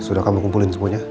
sudah kamu kumpulin semuanya